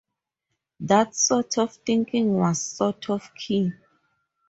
That sort of thinking was, sort of, key.